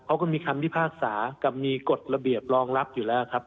เขาก็มีคำพิพากษากับมีกฎระเบียบรองรับอยู่แล้วครับ